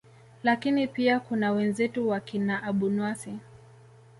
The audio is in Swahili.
lakini pia kuna wenzetu wakina abunuasi